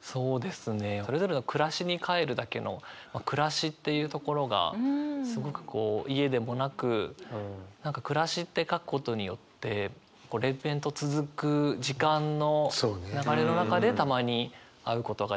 そうですね「それぞれの暮らしに帰るだけ」の「暮らし」っていうところがすごくこう家でもなく何か「暮らし」って書くことによって連綿と続く時間の流れの中でたまに会うことができて。